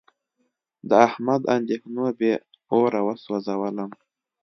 د احمد اندېښنو بې اوره و سوزولم.